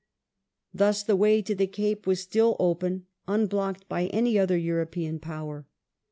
Thus the way to the Cape was still open, unblocked by any other European Power.